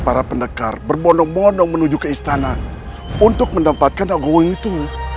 para pendekar berbono bono menuju ke istana untuk mendapatkan agung itu